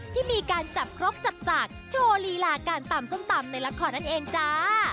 ที่มีการจับครกจับสากโชว์ลีลาการตำส้มตำในละครนั่นเองจ้า